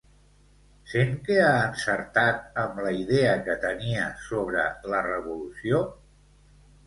Sent que ha encertat amb la idea que tenia sobre la revolució?